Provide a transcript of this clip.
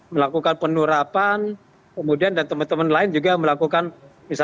melakukan penurapan kemudian dan teman teman lain juga melakukan pengerukan kali sungai waduk danau